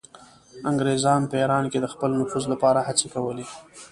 انګریزانو په ایران کې د خپل نفوذ لپاره هڅې کولې.